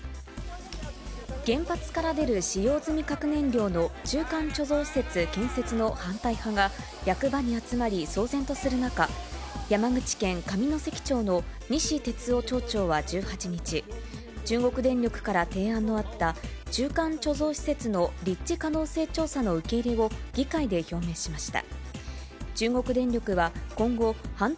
原発から出る使用済み核燃料の中間貯蔵施設建設の反対派が役場に集まり、騒然とする中、山口県上関町の西哲夫町長は１８日、中国電力から提案のあった中間貯蔵施設の立地可能性調査の受け入外出てきました。